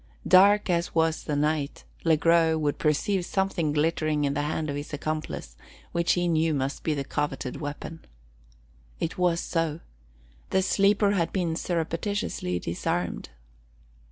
Dark as was the night, Le Gros could perceive something glittering in the hand of his accomplice, which he knew must be the coveted weapon. It was so. The sleeper had been surreptitiously disarmed.